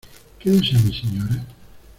¿ qué desea mi señora?